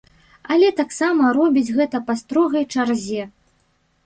Але таксама робіць гэта па строгай чарзе.